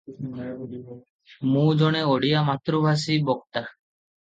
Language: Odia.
ମୁଁ ଜଣେ ଓଡ଼ିଆ ମାତୃଭାଷୀ ବକ୍ତା ।